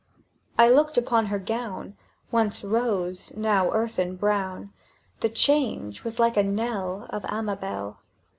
I looked upon her gown, Once rose, now earthen brown; The change was like the knell Of Amabel.